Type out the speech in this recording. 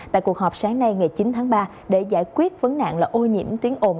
tại cuộc họp sáng nay ngày chín tháng ba để giải quyết vấn nạn là ô nhiễm tiếng ồn